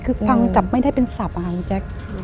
คือฟังกลับไม่ได้เป็นศัพทอะค่ะพี่แจ๊ค